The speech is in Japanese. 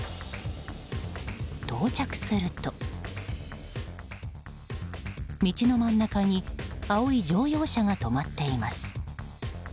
到着すると、道の真ん中に青い乗用車が止まっています。